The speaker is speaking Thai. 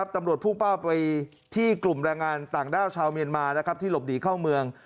พุ่งเป้าไปที่กลุ่มแรงงานต่างด้าวชาวเมียนมาที่หลบหนีเข้าเมือง